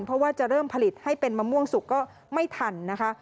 เพราะว่าจะเริ่มผลิตให้เป็นมะม่วงสุกก็ไม่ทันนะคะ